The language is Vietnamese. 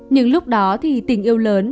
nhưng lúc đó thì tình yêu lớn